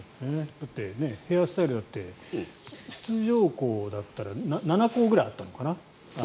ヘアスタイルだって出場校だったら７校くらいあったのかな？